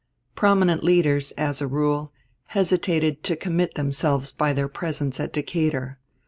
Prominent leaders, as a rule, hesitated to commit themselves by their presence at Decatur.